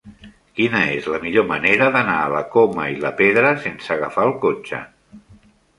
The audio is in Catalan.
Quina és la millor manera d'anar a la Coma i la Pedra sense agafar el cotxe?